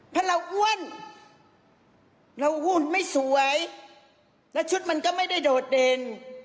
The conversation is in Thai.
เพราะเราอ้วนเราอ้วนไม่สวยแล้วชุดมันก็ไม่ได้โดดเด่น